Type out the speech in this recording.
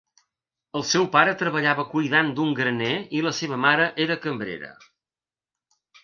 El seu pare treballava cuidant d'un graner i la seva mare era cambrera.